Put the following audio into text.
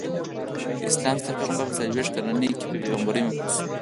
د اسلام ستر پيغمبر په څلويښت کلني کي په پيغمبری مبعوث سو.